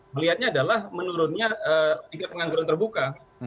melihatnya adalah menurunnya tingkat pengangguran terbuka